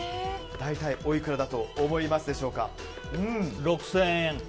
大体おいくらだと思いますでしょうか。